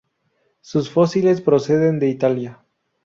Sus fósiles proceden de Italia.